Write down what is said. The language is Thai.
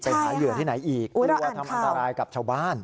ไปหาเหยื่อที่ไหนอีกกลัวทำอันตรายกับชาวบ้าน